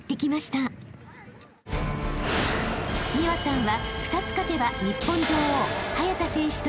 ［美和さんは］